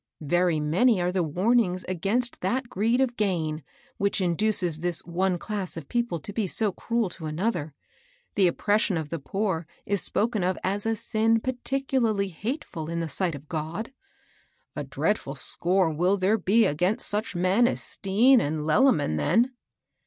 Very many are the warnings against that greed of gain, which induces this one class of people to be so cruel to another ; and oppression of the poor is spoken of as a sin particularly hatefiil in the sight of God." THE OLD BOOTS. 137 ^* A dreadful score will there be against such men as Stean and Lelleman, then."